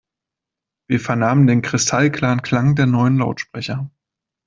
Wir vernahmen den kristallklaren Klang der neuen Lautsprecher.